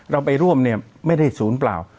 เราไปร่วมเนี่ยไม่ได้ศูนย์เปล่า